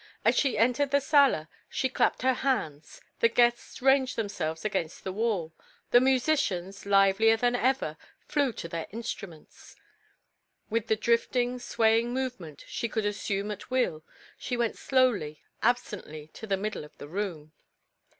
As she entered the sala she clapped her hands, the guests ranged themselves against the wall, the musicians, livelier than ever, flew to their instruments; with the drifting, swaying movement she could assume at will, she went slowly, absently, to the middle of the room.